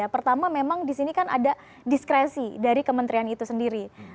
pertama memang di sini kan ada diskresi dari kementerian itu sendiri